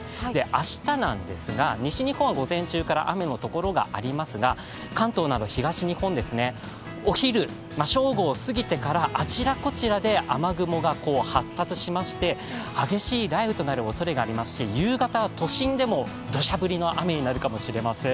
明日なんですが、西日本は午前中から雨の所がありますが、関東など東日本、お昼、正午を過ぎてからあちらこちらで雨雲が発達しまして激しい雷雨となるおそれがありますし、夕方は都心でもどしゃ降りの雨になるかもしれません。